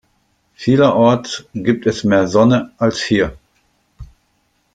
Vielerorts gibt es mehr Sonne als hier.